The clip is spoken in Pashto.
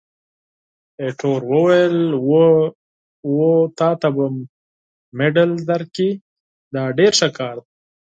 ایټور وویل: اوه، تا ته به مډال درکړي! دا ډېر ښه کار دی.